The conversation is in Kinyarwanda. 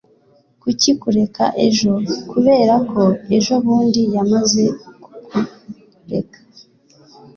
kuki kureka ejo? kubera ko ejobundi yamaze kukureka